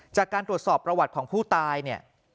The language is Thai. จากการตรวจสอบประวัติของผู้ตายเนี่ย